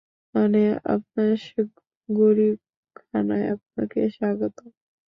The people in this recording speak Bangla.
মানে আপনার গরীব খানায় আপনাকে স্বাগতম।